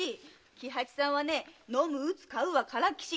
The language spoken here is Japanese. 喜八さんはね飲む打つ買うはからっきし。